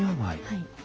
はい。